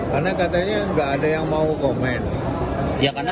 karena katanya nggak ada yang mau komen